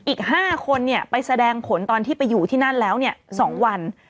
อีก๕คนไปแสดงผลตอนที่ไปอยู่ที่นั่นแล้ว๒วัน